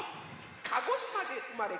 鹿児島でうまれ